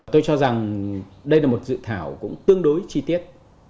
tôi cho rằng đây là một dự thảo cũng tương đối chi tiết